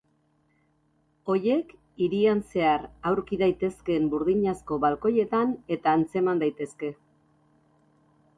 Horiek hirian zehar aurki daitezkeen burdinazko balkoietan eta antzeman daitezke.